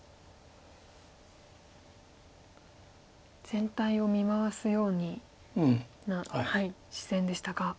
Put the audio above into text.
全体を見回すような視線でしたが。